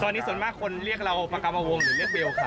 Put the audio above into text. ตอนนี้ส่วนมากคนเรียกเราประกรรมวงหรือเรียกเบลครับ